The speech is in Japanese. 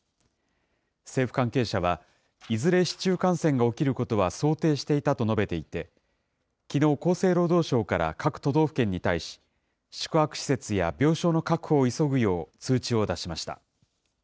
政府関係者は、いずれ市中感染が起きることは想定していたと述べていて、きのう、厚生労働省から各都道府県に対し、宿泊施設や病床の確保を急ぐよう通知を出しました。